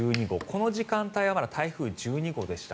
この時間帯はまだ台風１２号でした。